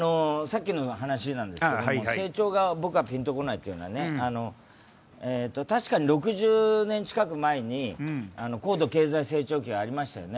成長が僕はピンとこないっていうのは確かに６０年近く前に高度経済成長期がありましたよね。